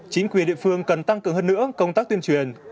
chính quyền địa phương cần tăng cường hơn nữa công tác tuyên truyền